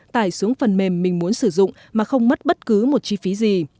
tải xuống phần mềm mình muốn sử dụng mà không mất bất cứ một chi phí gì